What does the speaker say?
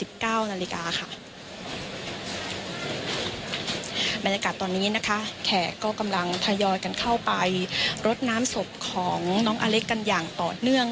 บรรยากาศตอนนี้นะคะแขกก็กำลังทยอยกันเข้าไปรดน้ำศพของน้องอเล็กกันอย่างต่อเนื่อง